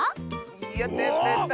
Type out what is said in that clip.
やったやったやった！